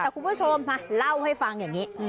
แต่คุณผู้ชมมาเล่าให้ฟังอย่างนี้